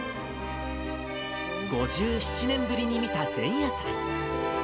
５７年ぶりに見た前夜祭。